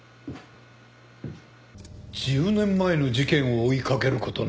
１０年前の事件を追いかける事になったか。